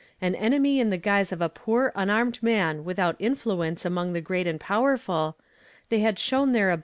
An enemy i„ al gZ of a poor unanned n.an without influence among the great and powerful, they had shown theif ab.